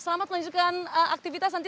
selamat melanjutkan aktivitas nanti